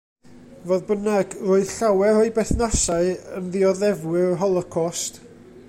Fodd bynnag, roedd llawer o'i berthnasau yn ddioddefwyr yr Holocost.